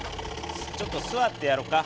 ちょっと座ってやろか。